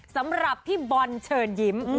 สำหรับพี่บอลเชิญยิ้ม